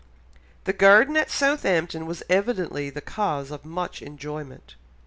The garden at Southampton was evidently the cause of much enjoyment.